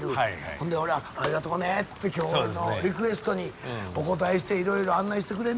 ほんで俺がありがとうねって今日のリクエストにお応えしていろいろ案内してくれんねやろと。